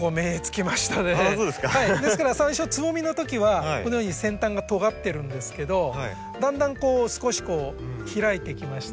ですから最初つぼみのときはこのように先端がとがってるんですけどだんだん少し開いてきましてね